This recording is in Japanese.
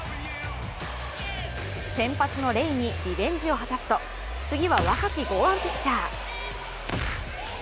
先発のレイにリベンジを果たすと次は若き剛腕ピッチャー。